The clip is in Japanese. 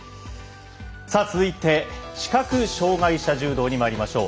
続いて視覚障がい者柔道にまいりましょう。